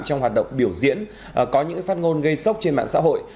trong hoạt động biểu diễn có những phát ngôn gây sốc trên mạng xã hội